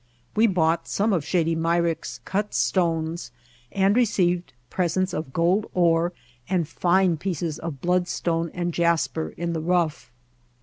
We bought some of Shady Myrick's cut stones and received presents of gold ore and fine pieces of bloodstone and jasper in the rough.